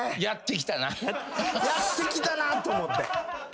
やってきたなと思って。